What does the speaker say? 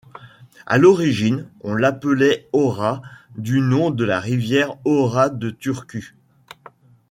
À l'origine on l'appelait Aura, du nom de la rivière Aura de Turku.